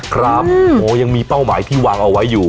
ครับโอ้โหยังมีเป้าหมายที่วางเอาไว้อยู่